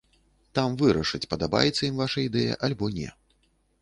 Там вырашаць, падабаецца ім ваша ідэя, альбо не.